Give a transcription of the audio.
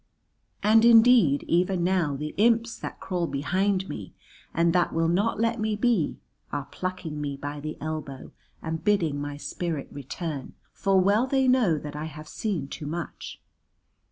And indeed even now the imps that crawl behind me and that will not let me be are plucking me by the elbow and bidding my spirit return, for well they know that I have seen too much.